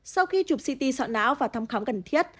sau khi chụp ct soạn não và thăm khám cần thiết